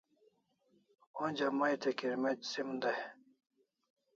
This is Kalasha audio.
Onja mai te kirmec' sim dai